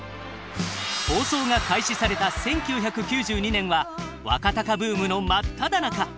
放送が開始された１９９２年は若貴ブームの真っただ中。